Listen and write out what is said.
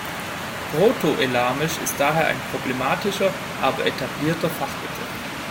Proto-elamisch ist daher ein problematischer aber etablierter Fachbegriff.